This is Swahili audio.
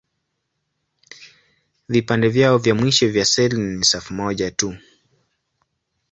Vipande vyao vya mwisho vya seli ni safu moja tu.